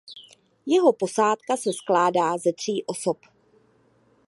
Jeho posádka se skládá ze tří osob.